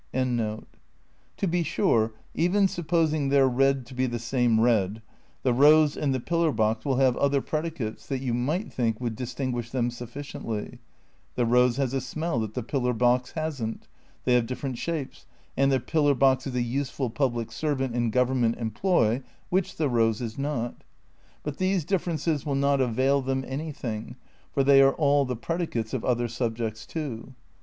To be sure, even supposing their red to be the same red, the rose and the mllar box will have other predi cates that you might think would distinguish them suffi ciently ; the rose has a smell that the pillar box hasn't; they have different shapes, and the pillar box is a use ful public servant in government employ, which the rose is not; but these differences will not avail them anything, for they are all the predicates of other sub jects, too.